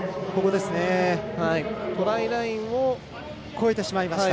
トライラインを越えてしまいました。